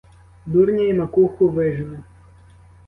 Дурня й макуху вижену.